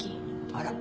あら。